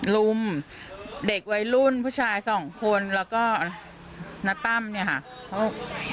ลุมเด็กวัยรุ่นผู้ชายสองคนแล้วก็ณตั้มเนี่ยค่ะเขา